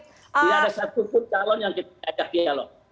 tidak ada satu pun calon yang kita ajak dia lho